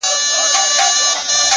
نیک اخلاق خاموشه درناوی زېږوي،